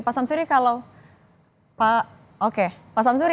pak samsuri kalau pak oke pak samsuri